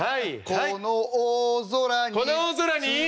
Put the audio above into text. この大空に！